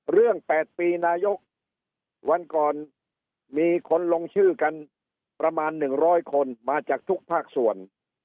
๘ปีนายกวันก่อนมีคนลงชื่อกันประมาณ๑๐๐คนมาจากทุกภาคส่วน